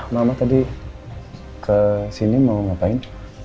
mama tadi ke sini mau ngapain